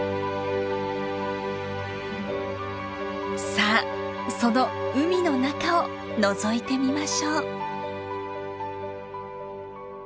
さあその海の中をのぞいてみましょう。